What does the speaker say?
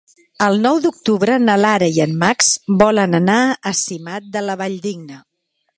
El nou d'octubre na Lara i en Max volen anar a Simat de la Valldigna.